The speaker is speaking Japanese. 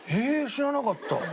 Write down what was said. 知らなかった。